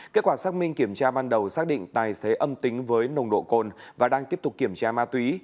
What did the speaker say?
kết quả xác minh kiểm tra ban đầu xác định tài xế âm tính với nồng độ cồn và đang tiếp tục kiểm tra ma túy